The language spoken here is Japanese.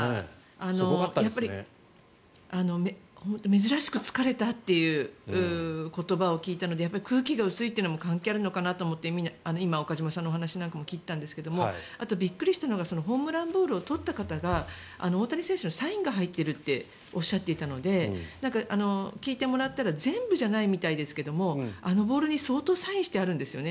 珍しく疲れたという言葉を聞いたので空気が薄いっていうのも関係あるのかなと思って今、岡島さんのお話なんかも聞いていたんですがあとびっくりしたのがホームランボールをとった方が大谷選手のサインが入っているっておっしゃっていたので聞いてもらったら全部じゃないみたいですけどあのボールに相当サインしてあるんですよね。